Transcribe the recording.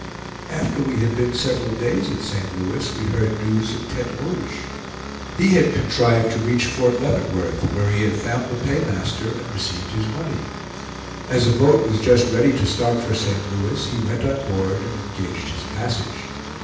After we had been several days at St. Louis we heard news of Tete Rouge. He had contrived to reach Fort Leavenworth, where he had found the paymaster and received his money. As a boat was just ready to start for St. Louis, he went on board and engaged his passage.